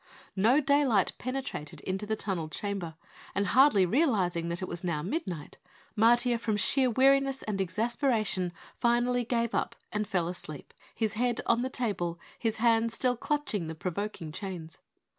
No daylight penetrated into the tunneled chamber, and hardly realizing that it was now midnight, Matiah from sheer weariness and exasperation finally gave up and fell asleep, his head on the table, his hands still clutching the provoking chains.